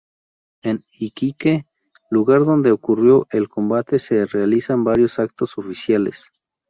En Iquique, lugar donde ocurrió el Combate, se realizan varios actos oficiales.